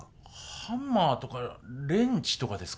ハンマーとかレンチとかですかね？